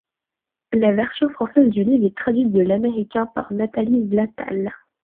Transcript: La version française du livre est traduite de l'américain par Nathalie Vlatal.